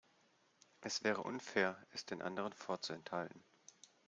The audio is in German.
Es wäre unfair, es den anderen vorzuenthalten.